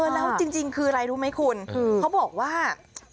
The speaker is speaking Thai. แล้วจริงคืออะไรรู้ไหมคุณเขาบอกว่า